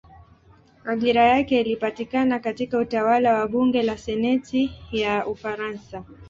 Ajira yake ilipatikana katika utawala wa bunge la senati ya Ufaransa.